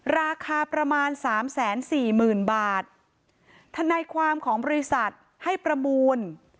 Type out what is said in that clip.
ราคาประมาณสามแสนสี่หมื่นบาททนายความของบริษัทให้ประมูล